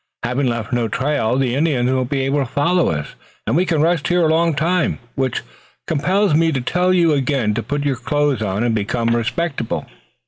Having left no trail the Indians won't be able to follow us, and we can rest here a long time, which compels me to tell you again to put on your clothes and become respectable."